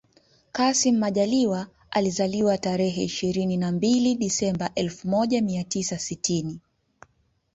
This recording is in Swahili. Kassim Majaliwa alizaliwa tarehe ishirini na mbili Disemba elfu moja mia tisa sitini